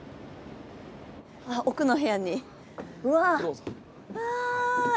奥の部屋にうわ！